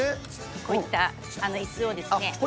こういったいすをですね。